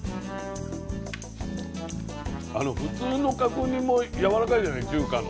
普通の角煮もやわらかいじゃない中華の。